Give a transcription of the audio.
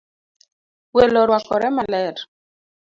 Welo orwakore maler